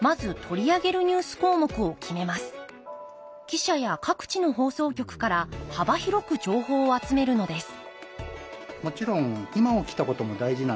記者や各地の放送局から幅広く情報を集めるのです